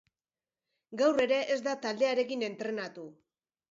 Gaur ere ez da taldearekin entrenatu.